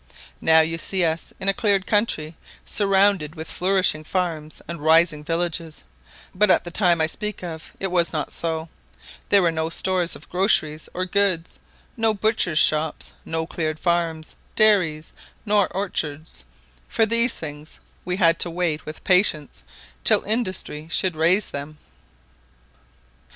Now you see us in a cleared country, surrounded with flourishing farms and rising villages; but at the time I speak of it was not so: there were no stores of groceries or goods, no butchers' shops, no cleared farms, dairies, nor orchards; for these things we had to wait with patience till industry should raise them.